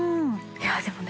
いやでもね